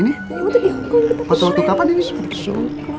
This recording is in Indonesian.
ini untuk di hongkong